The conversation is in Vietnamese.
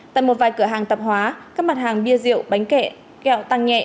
tại một vài cửa hàng tập hóa các mặt hàng bia rượu bánh kẹ kẹo tăng nhẹ